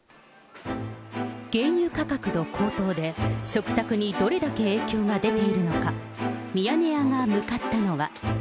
原油価格の高騰で、食卓にどれだけ影響が出ているのか、ミヤネ屋が向かったのは。